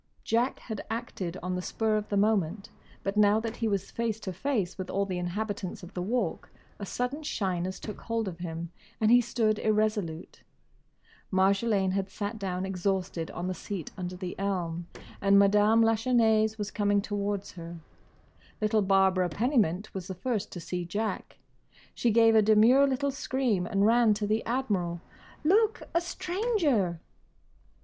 Jack had acted on the spur of the moment; but now that he was face to face with all the inhabitants of the Walk a sudden shyness took hold of him and he stood irresolute. Marjolaine had sat down exhausted on the seat under the elm, and Madame Lachesnais was coming towards her. Little Barbara Pennymint was the first to see Jack. She gave a demure little scream and ran to the Admiral. "Look! A stranger!"